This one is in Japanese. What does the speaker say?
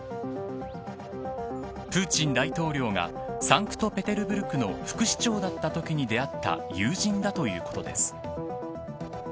プーチン大統領がサンクトペテルブルクの副市長だったときに出会った友人だということです。